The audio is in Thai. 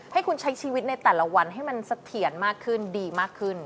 ให้คุณใช้ชีวิตในแต่ละวันให้มันเสถียรมากขึ้นดีมากขึ้น